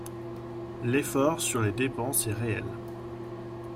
L’effort sur les dépenses est réel.